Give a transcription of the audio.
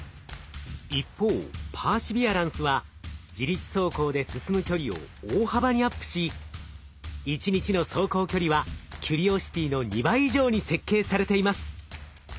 一方パーシビアランスは自律走行で進む距離を大幅にアップし１日の走行距離はキュリオシティの２倍以上に設計されています。